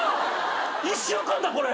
一週間だこれ。